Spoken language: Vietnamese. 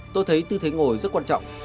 tôi thấy tư thế ngồi rất quan trọng